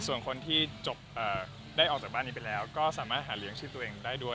ส่วนคนที่ได้ออกจากบ้านนี้ไปแล้วก็สามารถหาเลี้ยงชีพตัวเองได้ด้วย